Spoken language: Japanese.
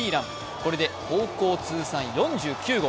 これで高校通算４９号。